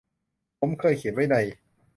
ผมเคยเขียนไว้ใน